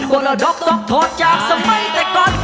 ประโลกตกโทษจากสมัยแต่ก่อน